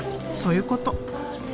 そういうこと。